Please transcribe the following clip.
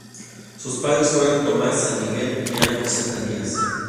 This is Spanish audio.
Sus padres fueron Tomás San Miguel y Ana Josefa Díaz.